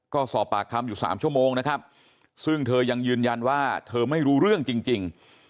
ก็สอบปากคำอยู่๓ชั่วโมงนะครับซึ่งเธอยังยืนยันว่าเธอไม่รู้เรื่องจริง